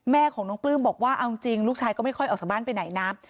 แม่ของน้องปลื้มบอกว่าเอาจริงลูกชายก็ไม่ค่อยออกจากบ้านไปไหนนะ